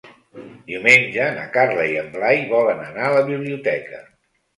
Diumenge na Carla i en Blai volen anar a la biblioteca.